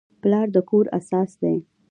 پلار د کور اساس دی.